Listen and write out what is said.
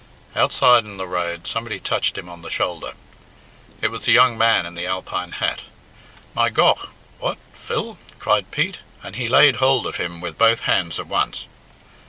Outside in the road somebody touched him on the shoulder. It was the young man in the Alpine hat. "My gough! What? Phil!" cried Pete, and he laid hold of him with both hands at once.